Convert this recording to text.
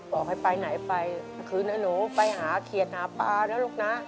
บอกให้ไปไหนไปคืนน้องหนูไปหาเขียนหน้าปลาเนอะลูกน่ะ